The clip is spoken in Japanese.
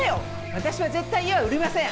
私は絶対に家を売りません。